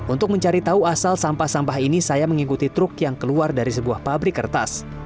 untuk mencari tahu asal sampah sampah ini saya mengikuti truk yang keluar dari sebuah pabrik kertas